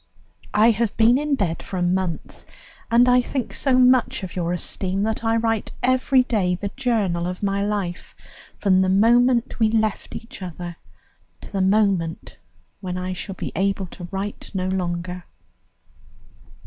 I have been in bed for a month, and I think so much of your esteem that I write every day the journal of my life, from the moment we left each other to the moment when I shall be able to write no longer.